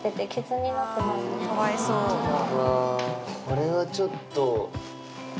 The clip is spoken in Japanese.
これはちょっと。